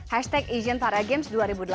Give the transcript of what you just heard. hashtag asian para games dua ribu delapan belas